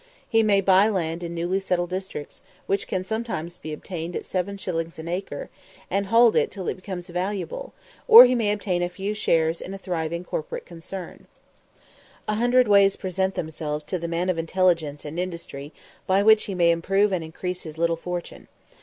He may buy land in newly settled districts, which sometimes can be obtained at 7_s._ an acre, and hold it till it becomes valuable, or he may obtain a few shares in any thriving corporate concern. A hundred ways present themselves to the man of intelligence and industry by which he may improve and increase his little fortune.